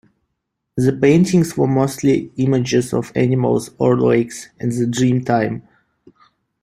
The paintings were mostly images of animals or lakes, and the Dreamtime.